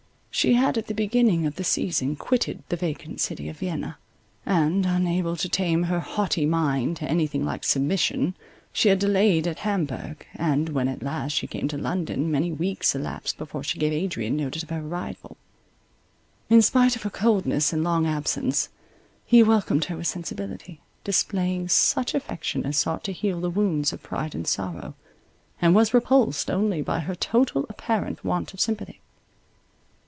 She had at the beginning of the season quitted the vacant city of Vienna; and, unable to tame her haughty mind to anything like submission, she had delayed at Hamburgh, and, when at last she came to London, many weeks elapsed before she gave Adrian notice of her arrival. In spite of her coldness and long absence, he welcomed her with sensibility, displaying such affection as sought to heal the wounds of pride and sorrow, and was repulsed only by her total apparent want of sympathy.